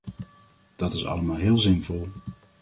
Dat is allemaal heel zinvol.